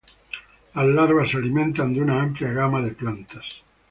Las larvas se alimentan de una amplia gama de plantas.